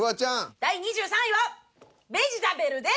第２３位はベジたべるです。